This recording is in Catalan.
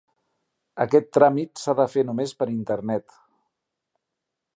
Aquest tràmit s'ha de fer només per Internet.